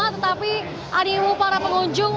tetapi adilu para pengunjung